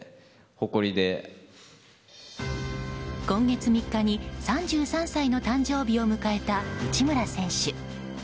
今月３日に３３歳の誕生日を迎えた内村選手。